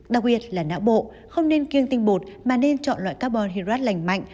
đặc biệt là não bộ không nên kiêng tinh bột mà nên chọn loại carbon hydrat lành mạnh